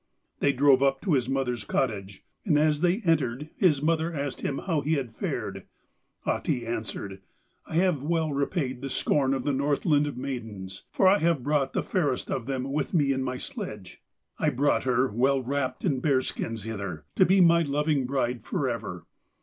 They drove up to his mother's cottage, and as they entered his mother asked him how he had fared. Ahti answered: 'I have well repaid the scorn of the Northland maidens, for I have brought the fairest of them with me in my sledge. I brought her well wrapt in bear skins hither, to be my loving bride for ever.